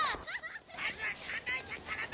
まずは観覧車からだ！